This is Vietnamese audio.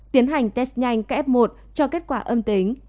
tiến hành test nhanh các f một cho kết quả âm tính